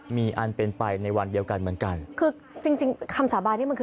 มีอันเป็นไปในวันเดียวกันเหมือนกันคือจริงจริงคำสาบานนี่มันคือ